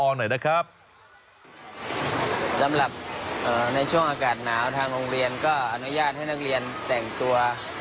สำหรับในช่วงอากาศหนาวทางโรงเรียนก็อนุญาตให้นักเรียนแต่งตัว